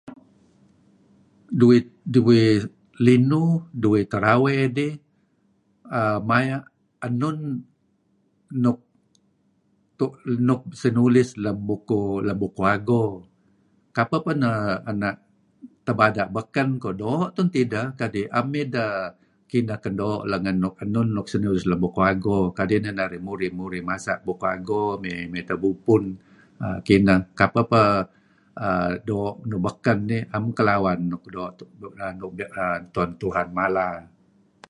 Duih duih linuh duih terawey dih err maya' enun nuk sinulis lem bukuh ago, kapeh peh na' tebada' beken koh doo' tun tideh, kadi' 'am ideh kineh kan doo'. Enun nuk sinulis lem bukuh ago kadi' neh narih murih murih masa bukuh ago mey tebubpun, Kapeh peh doo' nuk beken dih 'am kelawan nuk